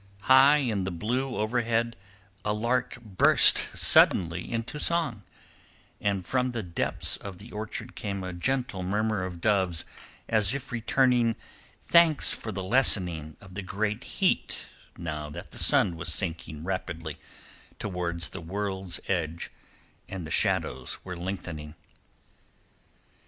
High in the blue overhead a lark burst suddenly into song, and from the depths of the orchard came a gentle murmur of doves as if returning thanks for the lessening of the great heat now that the sun was sinking rapidly towards the world's edge and the shadows were lengthening.